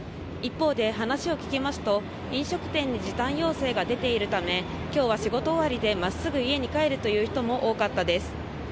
一方で、話を聞きますと、飲食店に時短要請が出ているため、きょうは仕事終わりで、まっすぐ家に帰るという人も多かったです。